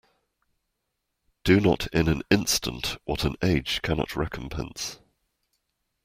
Do not in an instant what an age cannot recompense.